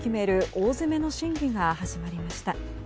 大詰めの審議が始まりました。